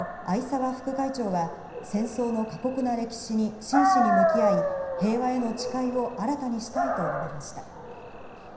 参拝後、逢沢副会長は戦争の過酷な歴史に真摯に向き合い、平和への誓いを新たにしたいと述べました。